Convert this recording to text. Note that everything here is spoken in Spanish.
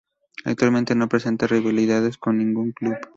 Actualmente no presenta rivalidades con ningún club.